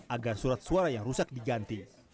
agar surat suara yang rusak diganti